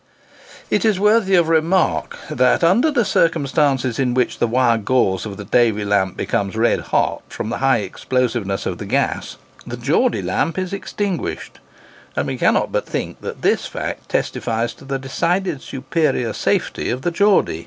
It is worthy of remark, that under circumstances in which the wire gauze of the Davy lamp becomes red hot from the high explosiveness of the gas, the Geordy lamp is extinguished; and we cannot but think that this fact testifies to the decidedly superior safety of the Geordy.